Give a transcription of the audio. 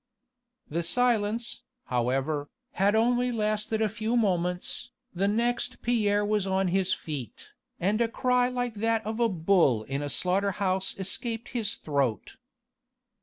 The silence, however, had only lasted a few moments, the next Pierre was on his feet, and a cry like that of a bull in a slaughter house escaped his throat.